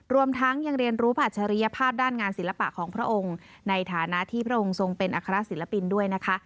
รวมทั้งยังเรียนรู้อัจฉริยภาพด้านงานศิลปะของพระองค์ในฐานะที่พระองค์ทรงเป็นอัครศิลปินด้วยนะคะ